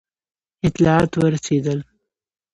اطلاعات ورسېدل.